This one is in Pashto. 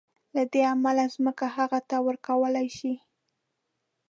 له دې امله ځمکه هغه ته ورکول شي.